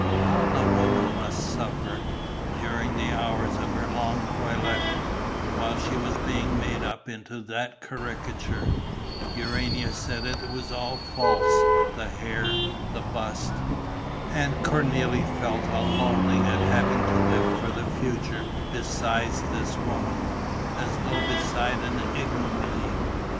How the woman must suffer, during the hours of her long toilet, while she was being made up into that caricature! Urania said that it was all false: the hair, the bust. And Cornélie felt a loathing at having to live for the future beside this woman, as though beside an ignominy.